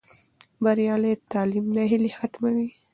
بریالی تعلیم ناهیلي ختموي.